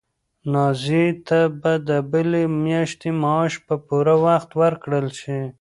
نازیې ته به د بلې میاشتې معاش په پوره وخت ورکړل شي.